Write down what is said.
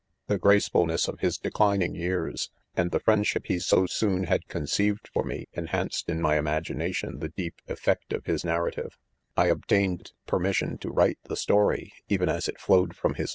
The gracefulness of his declining years, and the friendship he so soon had conceived for ine, enhanced in my imagination, the deep ef fect of his narrative* T obtained permission to write the ' story, even as it ' flowed from his